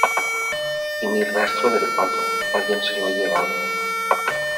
y ni rastro del pato, alguien se lo ha llevado.